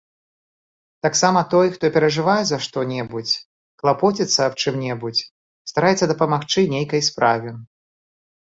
Таксама той, хто перажывае за што-небудзь, клапоціцца аб чым-небудзь, стараецца дапамагчы нейкай справе.